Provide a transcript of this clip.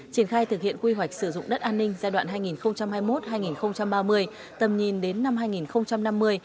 triển khai thực hiện quy hoạch sử dụng đất an ninh giai đoạn hai nghìn hai mươi một hai nghìn ba mươi tầm nhìn đến năm hai nghìn năm mươi